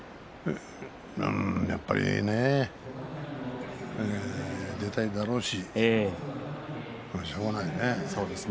やっぱりね、出たいだろうしまあしょうがないね。